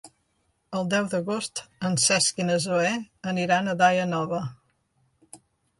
El deu d'agost en Cesc i na Zoè aniran a Daia Nova.